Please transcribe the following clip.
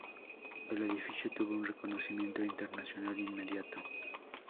El edificio tuvo un reconocimiento internacional inmediato.